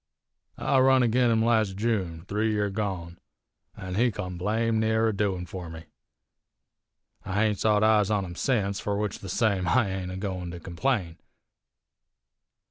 I run agin him las' June, three year gone, an' he come blame near a doin' fur me. I haint sot eyes on him sence, fur which the same I ain't a goin' to complain.